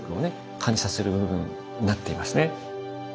感じさせる部分になっていますね。